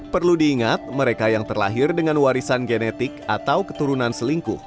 perlu diingat mereka yang terlahir dengan warisan genetik atau keturunan selingkuh